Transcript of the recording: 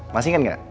masih kan gak